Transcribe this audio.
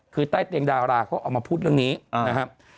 คือใต้เตียงดาราเขาเอามาพูดเรื่องนี้นะครับ